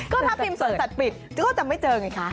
ก็ถ้าพิมพ์สวนสัตว์ปิดก็จะไม่เจอไงคะ